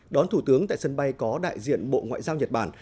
đón thủ tướng tại sân bay có đại diện bộ ngoại giao nhật bản